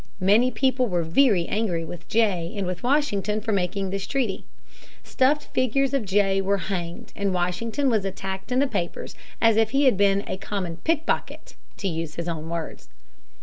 Many people were very angry with Jay and with Washington for making this treaty. Stuffed figures of Jay were hanged, and Washington was attacked in the papers as if he had been "a common pickpocket" to use his own words.